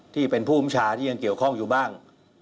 ที่เป็นผู้บัญชาที่ยังเกี่ยวข้องอยู่บ้าง